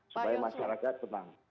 supaya masyarakat tenang